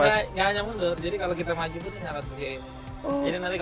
jadi nanti kalau ada